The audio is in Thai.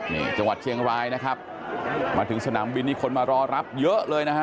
นี่จังหวัดเชียงรายนะครับมาถึงสนามบินนี่คนมารอรับเยอะเลยนะฮะ